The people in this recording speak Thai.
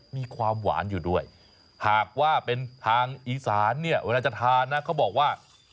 มีความหวานอยู่ด้วยหากว่าเป็นทางอีสานเนี่ยเวลาจะทานนะเขาบอกว่า